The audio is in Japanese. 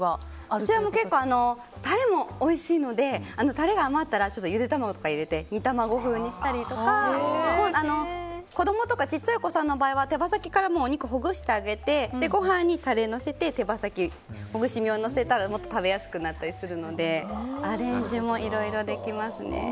タレもおいしいのでタレが余ったらゆで卵とか入れて煮卵風にしたりとか子供とか小さいお子さんの場合は手羽先から、お肉ほぐしてあげてご飯にタレをのせて手羽先のほぐし身をのせたらもっと食べやすくなったりするのでアレンジもいろいろできますね。